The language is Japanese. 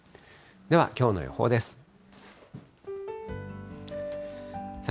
では、きょうの予報です。